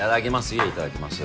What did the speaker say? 言え「いただきます」